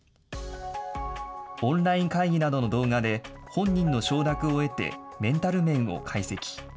オンライン会議などの動画で、本人の承諾を得て、メンタル面を解析。